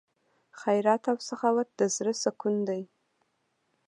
خیرات او سخاوت د زړه سکون دی.